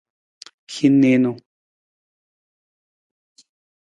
Hin niinu.